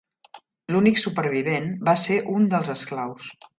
L'únic supervivent va ser un dels esclaus.